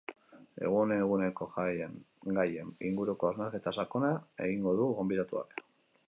Egun eguneko gaien inguruko hausnarketa sakona egingo du gonbidatuak.